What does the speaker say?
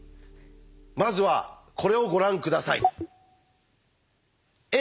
まずはこれをご覧下さい。